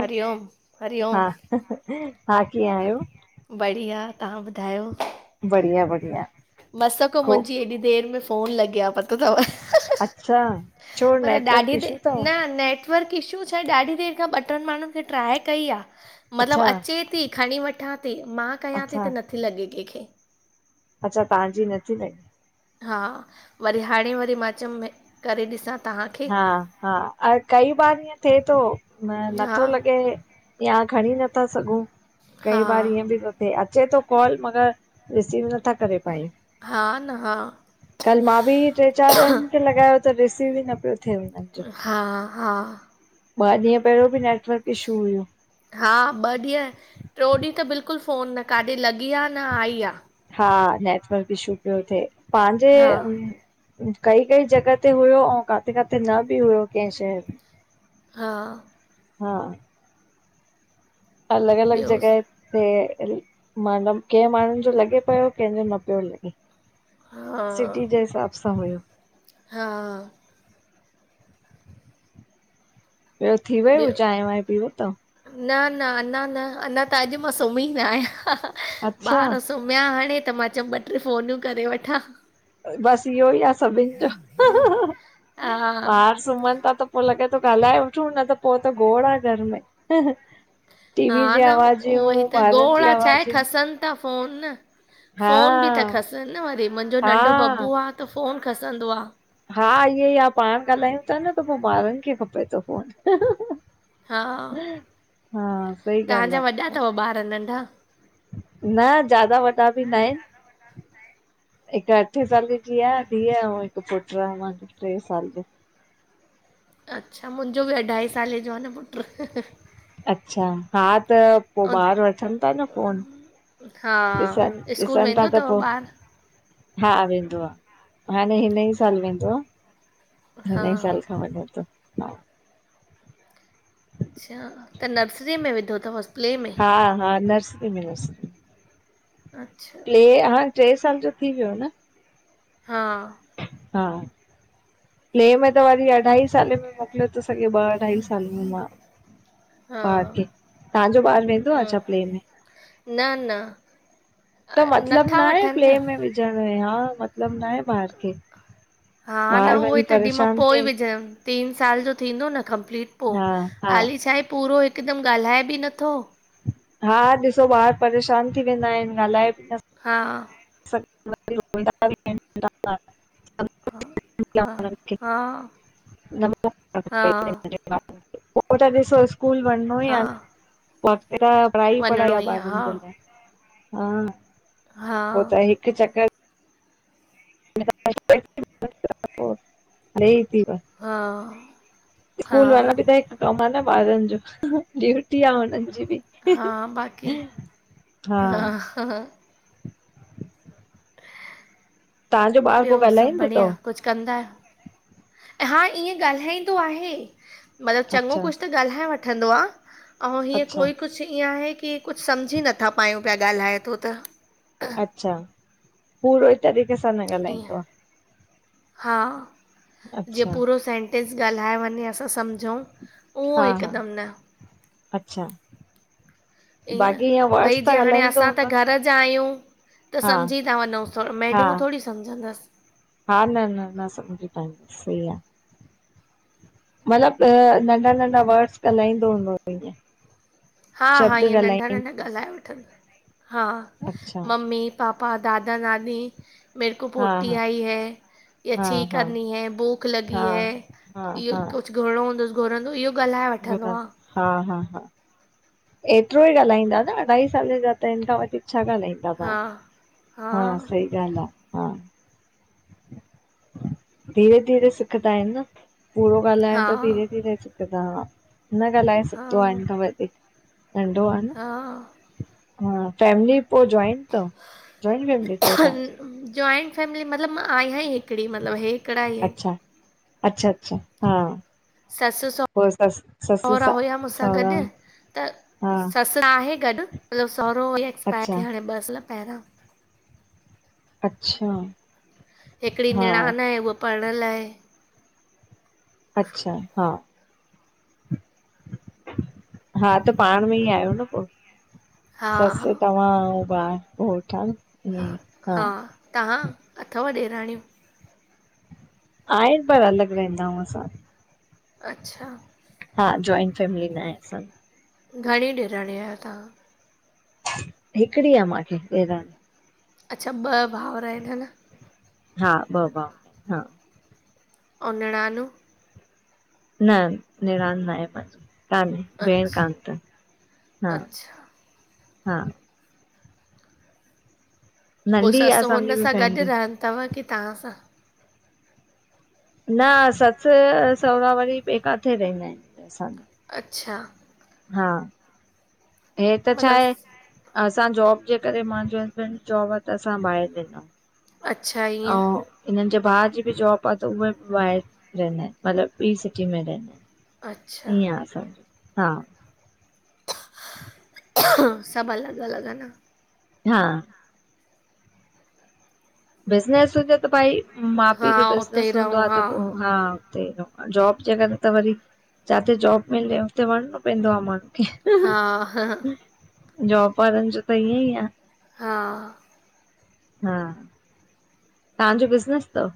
हरिओम हा हरिओम हा कीअं आहियो बढ़िया तव्हां ॿुधायो बढ़िया बढ़िया मस खां खूब मुंहिंजी हेॾी देर में फोन लॻि आ पतो अथव अच्छा छो मतलबु नेटवर्क ॾाढी इशू तव? न नेट [unintelligible] पर इशू छा आहे ॾाढी देरि खां ॿ टनि माण्हुनि खे ट्राए कई आहे अच्छा मतिलबु अचे थी खणी वठां थी मां कयां थी अच्छा त नथी लॻे कंहिंखे अच्छा तव्हांजी नथी लॻे हा वरी हाणे वरी मां चयमि करे ॾिसां तव्हांखे हा हा ऐं कई बार ईअं थिए थो न हा नथो लॻे या खणी नथा सघूं कई हा बार ईअं बि त अचे थो कॉल मॻरि रिसीव नथा करे पायूं हा न हा कल मा ॿि ईंय टे चार ॼणनि खे लॻायो त रिसीव ई न पयो थिए जो हा हा ॿ ॾींहुं पहिरयों भी नेटवर्क इशू हुयो हा ॿ ॾींहुं टि्यों ॾींहुं त बिल्कुल फ़ोन न काॾे लॻी आ न आई आ हा नेटवर्क इशू पियो थिए पाहिंजे हा कई कई जॻह ते हुयो, औं, काथे काथे न बि हुयो कहिं शहर में। हा हा अलॻ, अलॻ, ॿियो जॻह ते माना, कैं माणुन जो लॻे पयो, कैंजो न प्यो लॻे। हा सिटी जे हिसाब सां हुयो। हा ॿियो थी वयो, ॿियो चांय वांय पी वतव? न न अनां न, अनां त अॼु मां सुमीं न आहियां, अच्छा ॿार सुमयां हाणे, त मां चयो ॿ ट्रे फ़ोनूं करे वठां। बस इहोई आ सभिन जो, हा ॿार सुमन ता त पो लॻे तो ॻाल्हाए वठूं, न त पो त गोड़ आए घर में। हा टीवी जी न आवाजयूं, उहो ई ॿारन जी ॻोढ़ा छा आहे आवाजयूं। खसनि त फ़ोन न, फ़ोन भी था खसन न वरी, मुंजो नंढ़ो हा बबू आ त फ़ोन खसंदो आ। हा इएंई आ, पाण ॻाल्हायूं ता न, त पो ॿारन खे खपे तो फ़ोन। हा हा सही ॻाल्हि तहांजा आ वॾा तव ॿार, नंढा? न ज्यादा वॾा बि नाहिन। हिक अठें साले जी आ धीअ, अऊं हिक पुट्र आ माखे ट्रे साल जो। अच्छा, मुंजो भी अढ़ाई साले जो आ न पुट्र। अच्छा, हा त पो, ऐं ॿार वठन ता न फोन। हा ॾिसन, स्कूल ॾिसन ता, वेंदो त पो अथव ॿारु हा, वेंदो आ, हाणे हिनईं साल वेंदो आ। हा हिनईं साल खां, वञे तो, हा अच्छा, त नर्सरीअ में विधो तवस, प्ले में? हा हा, नर्सरी में, नर्सरी में अच्छा प्ले, हाण ट्रे साल जो थी वयो न? हा हा, प्ले में त वरी अढ़ाई सालें में मो मोकले तो सघे, ॿ, अढ़ाई सालें में ॿार। हा ॿार खे, तहांजो ॿारु वेंदो आ छा हम्म प्ले में? न न अ, त मतलब नथा नाहें, वठनि प्ले न में विझण में हा, मतलब नाहें ॿार खे। हा, न ॿार उओई, वञी तॾी मां परेशान पोई थिए विझंम। तीन साल जो थींदो न कम्प्लीट पो, हा हा हाली छाहे पूरो हिकदम ॻाल्हाए बी नथो। हा हा, ॾिसो ॿार परेशान थी वेंदा आहिन, ॻाल्हाए बी न हा [unintelligible] [inaudible] [unintelligible] हा हा हा पो त ॾिसो स्कूल वनणो ई हा आ न, बाक़ी त पढ़ाई ई पढ़ाई वञिणो आ, आहे ॿारन जे लाइ, हा, हा पो त हिक चकर नई थी व हा [inaudible] हा हा स्कूल वारा बि त हिकु [inaudible] कमु आहे न ॿारनि जो ड्यूटी आहे हुननि जी बि हा बाक़ी हा हा तव्हांजो ॿार पोइ ॿियो सभु ॻाल्हाईंदो बढ़िया अथव कुझु कंदा आहियो हा ईअं ॻाल्हाईंदो आहे मतिलबु चङो अच्छा। कुझु हां गालाह वठदो आ अऊ हि अच्छा कोई कुझु कुझु ईअं आहे की कुझु सम्झी नथा पायूं पिया ॻाल्हाए थो त अच्छा पूरो ई तरीक़े सां न ईअं ॻाल्हाईंदो आहे हा जिअ अच्छा। पूरो सेंटेंस ॻाल्हाए वञे असां समझूं हा हा अच्छा ईअं बाक़ी वर्ड्स भई त जीअ हाणे ॻाल्हाईंदो असां त हूंदो न? घर जा आहियूं त हा। समझी था वञूं थोरो हा मैडमूं थोरी सम्झंदसि हा न न न समझी पाईंदी [inaudible] सही आहे मतलब नंढा नंढा वर्ड्स ॻाल्हाईंदो हूंदों तई हा हा इअं नंढा नंढा ॻाल्हाइ वठंदो हा अच्छा। ममी पापा दादा दादी मेरे को हा पोटी हा आई है या हा छी हा करणी है भूख लॻी है हा हा घोड़ो हूंसि घोड़ंदो इहो [inaudible] हम वठंदो ह आहे [inaudible] हा हा हा एतिरो ई ॻाल्हाईंदा न अढाई साले जा त हिन खां वधीक छा ॻाल्हाईंदो [inaudible] हा हा सही ॻाल्हि आहे हा धीरे धीरे सिखंदा आहिन न पूरो ॻाल्हाईंन हा त धीेरे धीेरे सिखंदा न ॻाल्हाए सिघंदो आहे हा इ खां वधीक नंढो आहे न हा ह फमिली पोइ जोइंट तव रही वेंदो अथव तव्हांसां जॉइंट फैमिली मतलबु मां आहिया ई हिकिड़ी मतलबु हे अच्छा अच्छा अच्छा हा ससु सहु पो सस ससु सहुरा सा हुया मूंसां सहुरा गॾु त हा ससु आहे गॾु मतलबु सहुरो इ एक्सपायर थी अच्छा वयो हाणे ॿ साल पहिरियां अच्छा हिकिड़ी हा निराण आहे उहा पणियल आहे अच्छा हा हा त पाण में ई आहियो न पोइ हा ससु हा तव्हां बा हो ठाल [inaudible] हा हा तव्हां अथव ॾेराणियूं आहिन पर अलॻ रहंदा आहियूं असां अच्छा हा जॉइंट फैमिली न आहे असां जी घणी ॾेराणियू आहियो तव्हां हिकिड़ी आहे मूंखे ॾेराणी अच्छा ॿ भाउर आहिन हा ॿ भाव हा औ निराणूं न निरान नाहे पहिंजी। कान भेण कान अच्छा तन, हा अच्छा हा पोइ नंढी आहे ससु असांजी हुन बि सां गॾु फैमिली रहंदी तव की तव्हां सां? न ससु सोहुरा वरी ॿिए काथे रहिंदा आहिनि, असां अच्छा हा हे त छा आहे? मतिलबु असां जॉब जे करे मुंहिंजे हसबैंड जॉब आ त असां ॿाहिरि वेंदाऊं। अच्छा ईअं अऊं हिननि जे भाउ जी बि जॉब आ त उहे बि ॿाहिरि रहंदा आहिनि, मतिलबु ॿी सिटी में रहिंदा आहिनि। अच्छा ईअं आ असांजो, हा सभु अलॻि अलॻि आ न। हा बिज़नेस हुजे त भई माउ हा पीउ जो उते ई बिज़नेस हूंदो रहूं आ हा त पो हा जॉब जे करे त वरी जिते जॉब मिले हुते वञिणो पवंदो आ माखे। हा हा जॉब वारनि जो त ईअं ई आ। हा हा तव्हांजो बिज़नेस तव?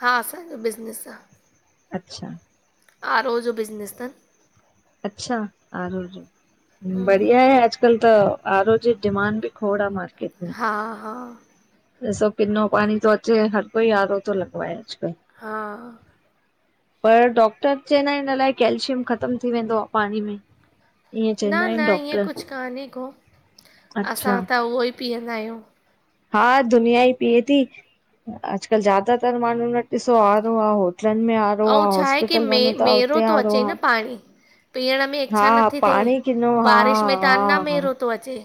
हा असांजो बिज़नेस आ। अच्छा आरो ज़ो बिज़िनस तनि। अच्छा आरो जो बढिया आहे, हा अजकल्ह त आरो जी डिमांड बि खोड आ मार हा हा ॾिसो किनो पाणी तो अचे हर कोई आरो त लॻवाए अॼकल। हा पर डॉक्टर चवंदा आहिनि अलाइ कॅल्शियम ख़तम थी वेंदो आ पाणी में। ईअं न चवंदा न आहिनि ईअं डॉक्टर कुझु कोन्हे को असां अच्छा त उहो ई पीअंदा आहियूं। हा दुनिया ई पीए ती, अॼकल ज्यादा तर माण्हून वट ॾिसो आरो आ। होटलनि में आरो ऐं आ छा आहे की हॉस्पिटल मे वञो त मेरो हुते थो आरो अचे आ। न पाणी पीअण में हा इच्छा नथी थिए पाणी किनो, हा हा हा तो अचे।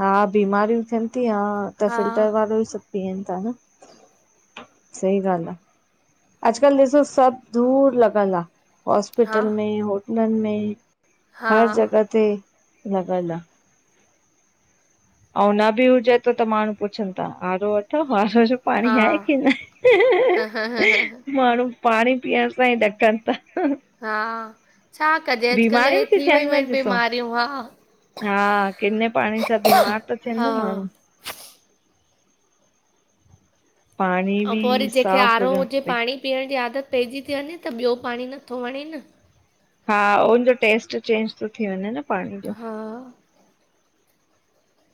हा बीमारियूं थियनि ती हा त हा फिल्टर वारो ई सभु पीअनि ता न। सही गाल आ, अॼकल ॾिसो सभु दूर लॻल आ। हा हॉस्पिटल में, होटलनि में हा हर जॻह ते लॻल आ। अऊं न बि हुजे त त माण्हू पुछनि ता, आरो अथव आरो? पाणी हा आहे कि न माण्हू। पाणी पीअण सां ई ॾकनि ता। हा छा कजे अॼुकल्ह इहे थी थियनि वियूं न आहिनि ॾिसो बीमारियूं हा। हा किने पाणी सां बीमार ता थियनि न माण्हू। छिनंनननन [inaudible] पाणी अऊं बि पो वरी जंहिंखे साफ़ आरो हुजणु हुजे खपे। पाणी पीअण जी आदत पइजी ती वञे त ॿियो पाणी नथो वणे न। हा हुनजो टेस्ट चेंज तो थी वञे न पाणी जो, हा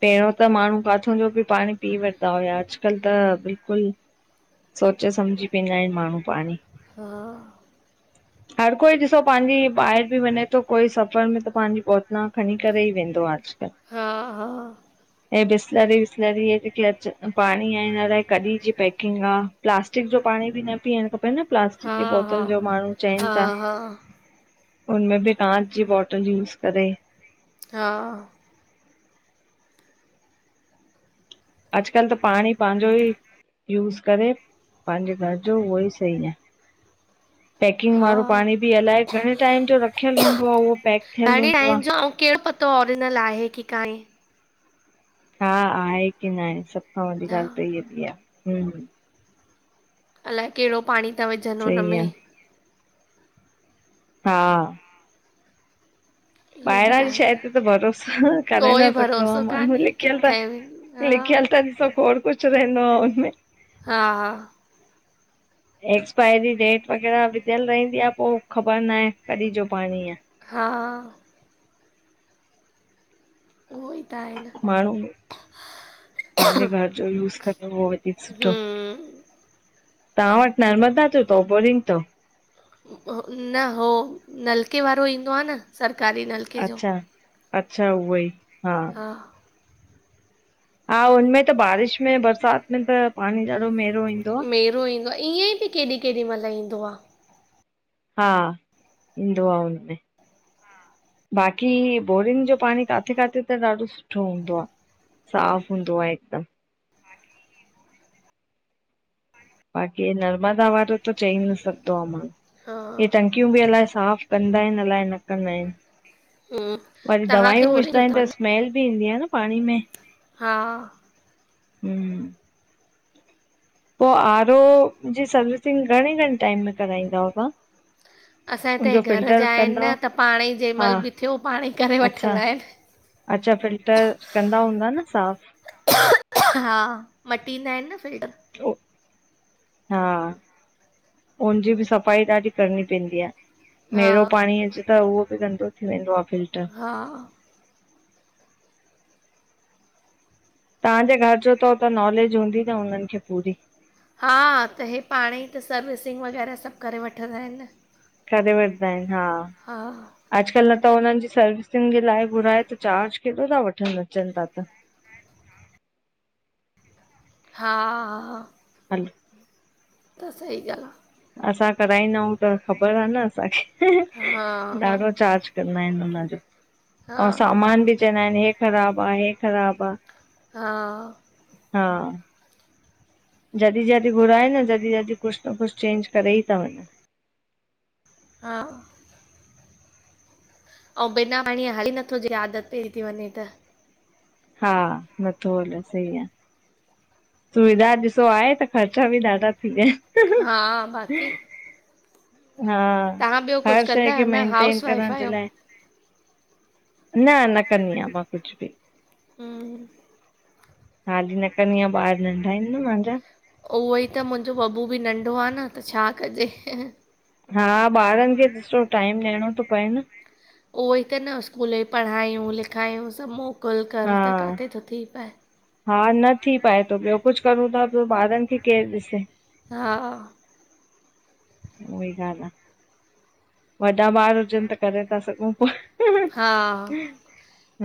पहिरियों त माण्हू काथों जो बि पाणी पी वठिदा हुया, अॼुकल्ह त बिल्कुलु सोचे समझी पियंदा आहिन माण्हू पाणी। हा हर कोई ॾिसो पाँजी ॿाहिर बि वञे थो कोई सफ़र में त पंहिंजी बोतलू खणी करे ई वेंदो आहे अॼकल्ह। हा हा ऐं बिसलरी विसलरी जेक अच पाणी आ हिन अलाए कॾी जी पेकिंग हा प्लास्टिक जो पाणी बि न पीअण हा न प्लास्टिक हा जी हा बोतल जो माण्हू चैन हा था हा उनमें बि कांच जी बॉटल यूज करे। हा अॼकल्ह त पाणी पांजू ही यूज़ करे पाँजे घर जो, उहो ई सही है। पेकिंग हा वारो पाणी बि अलाए घणे टाइम जो रखियल हूंदो, उहो पैक थियल हूंदो आ। अऊं केड़ो त ऑरिजिनल आहे की ना हे? हा, आहे की न आहे? सभ खां वॾी हा ॻाल्ह त इीअ बि आ। अलाए, केड़ो पाणी था विझन सही आ, हुनमें? हा इहो बाहिरां बि जी आहे शए न ते त भरोसो करे न कोई सघंदो आ भरोसो माण्हू कान्हे लिखियल किथे बि त हा लिखियल त ॾिसो खोड़ कुछ रहंदो आ हुनमें। हा हा एक्सपायरी डेट वग़ैरह विधियल रहंदी आ पो ख़बर नाहे कॾहिं जो पाणी आ। हा उहो ही त आहे न पांजे घर जो यूस कंदो उहो वधीक सुठो। हम्म तव्हां वट नर्मदा जो तव बोरिंग तव? न हो नलके वारो ईंदो आ न सरकारी। नलके जो अच्छा-अच्छा उहोई हा। हा हा हुनमें त बारिश में बरसात में त पाणी ॾाढो मेरो ईंदो आ। मेरो ईंदो आ ईअं बि केॾी केॾी मल ईंदो आ हा ईंदो आ हुनमें। बाक़ी बोरिंग जो पाणी काथे-काथे त ॾाढो सुठो हूंदो आ। साफ़ हूंदो आहे हिकदम। बाक़ी नर्मदा वारो त चई न सघंदो आ माणहू हा हे त टकियूं बि अलाए साफ़ कंदा आहिन अल्हाए न कंदा आहिन। हम्म, वरी तव्हांखे दवााइयूं होरे विझदा जो आहिन अथव त न स्मैेल बि ईंदी आ न पाणी में। हा हम् पो आरो जी सर्विसिंग घणे-घणे टाइम में कराईंदा अहियो तव्हां? असां हि उनजो त घर फिल्टर जा आहिन कंदा न त पाणई जंहिं हा मल बि थियो पाणई करे अच्छा वठंदा आहिन। अच्छा फिल्टर कंदा हूंदा न साफ़? हा मटींदा आहिन न फिल्टर। हा हुनजी बि सफ़ाई ॾाढी करणी पवंदी आ। हा मेरो पाणी अचे त उहो बि गंदों थी वेंदो आ फिल्टर। हा तव्हांजे घर जो तव त नॉलेज हूंदी न हुनन्हनि खे पूरी। हा त हे पाण ई त सर्विसिंग वग़ैरह सभु करे वठंदा आहिनि। करे वठंदा आहिनि हा। हा। अॼुकल्ह न त हुननि जी सर्विसिंग जे लाइ घुराए त चार्ज केॾो था वठनि अचनि ता त। हा। हल। त सही आ। असां कराईंदा आहियूं त ख़बर आ न आहे हा असांखे हा ॾाढो चार्ज कंदा आहिनि उन जो, हा अऊं सामान बि चवंदा आहिनि हे ख़राबु आ हे ख़राबु आ, हा। हा जॾहिं जॾहिं घुराए न जॾहिं जॾहिं कुझु न कुझु चेंज करे ई ता वञनि। हा। ऐं बिना पाणी हलीे नथो जे आदत पई थी वञे त। हा नथो हले सही आ। सुविधा ॾिसो आहे त ख़र्चा ॿि ॾाढा थी वियाइनि। हा बाक़ी हा तव्हां ॿियो हर कुझु शएं कंदा खे आहियो न मेनटेन हाउस वाइफ करण ॼे आहियो लाए। न न कंदी आहियां मां कुछु ॿि। हम्म हाली न कंदी आहियां ॿार नंढा हिनि न मांजा। उहोई त मुंहिंॼो ॿॿू ॿि नंढो आ न, त छा कजे? हा ॿारनि खे ॾिसो टाइम ॾियएणों तो पए न। उहोई त न स्कूल यी पढ़ायूं लिखायूं सभु मोकिल कर हा त काथे तो थी पाए। हा न थी पाए तो ॿियो कुछु करूं ता, पो ॿारनि खे केरु ॾिसे? हा उहोई ॻाल्हि आ, वॾा ॿार हुजनि त करे ता सघूं पोए। हा,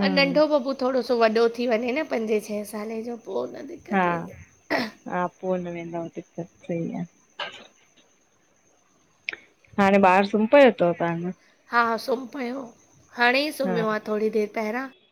अ नन्ढो बब्बू थोड़ो सो वॾो थी वंञे न पंजे छहें साले जो, पो त डि्स् हा हा पो न वेंदव दिक्क़त सही आ। हाणें ॿार सुमपयो तव तव्हांजो? हा सुम्हि पयो, हाणेईं हा सुम्हियो आ थोड़ी देरि पहिरियां।